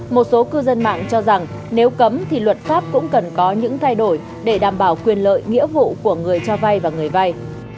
một số cư dân mạng cho rằng nếu cấm thì luật pháp cũng cần có những thay đổi để đảm bảo quyền lợi nghĩa vụ của người cho vay và người vay